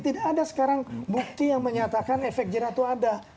tidak ada sekarang bukti yang menyatakan efek jerah itu ada